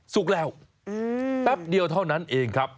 สุกแล้วแป๊บเดียวเท่านั้นเองครับ